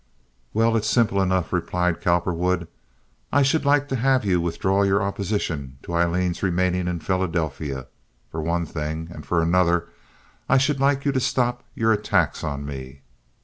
"Well, it's simple enough," replied Cowperwood. "I should like to have you withdraw your opposition to Aileen's remaining in Philadelphia, for one thing; and for another, I should like you to stop your attacks on me."